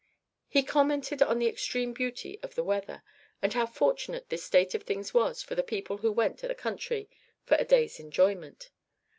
He commented on the extreme beauty of the weather, and how fortunate this state of things was for the people who went to the country for a day's enjoyment.